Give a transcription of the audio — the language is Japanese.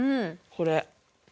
これ。